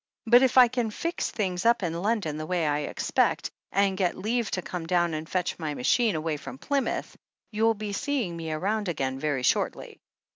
But if I can fix things up in London the way I expect, and get leave to come down and fetch my machine away from Plymouth, you'll be seeing me around again very shortly.